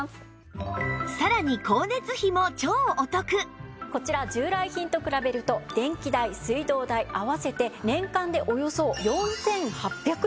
さらにこちら従来品と比べると電気代水道代合わせて年間でおよそ４８００円もお得になるんです。